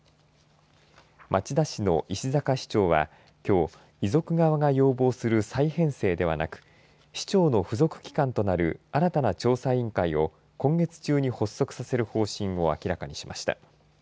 町田市の石阪市長はきょう、遺族側が要望する再編成ではなく市長の付属機関となる新たな調査委員会を今月中に発足させる方針を明らかにしました。